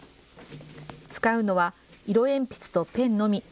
使うのは色鉛筆とペンのみ。